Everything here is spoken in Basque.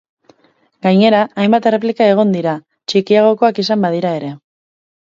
Gainera, hainbat erreplika egon dira, txikiagokoak izan badira ere.